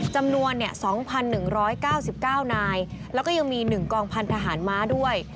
จำนวน๒๑๙๙นายแล้วก็ยังมี๑กองพันธหารม้าด้วย